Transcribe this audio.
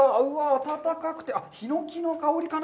暖かくて、ヒノキの香りかな。